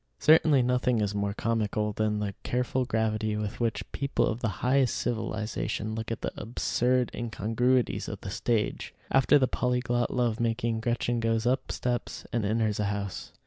Certainly nothing is more comical than the careful gravity with which people of the highest civilization look at the absurd incongruities of the stage. After the polyglot love making, Gretchen goes up steps and enters a house.